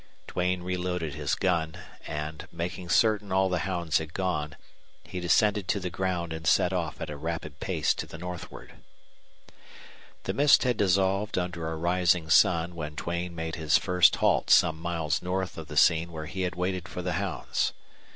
Duane reloaded his gun, and, making certain all the hounds had gone, he descended to the ground and set off at a rapid pace to the northward. The mist had dissolved under a rising sun when Duane made his first halt some miles north of the scene where he had waited for the hounds.